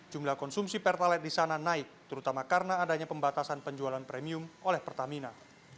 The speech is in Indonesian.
jumlah konsumsi pertalite di sana naik terutama karena adanya pembatasan penjualan premium oleh pertamina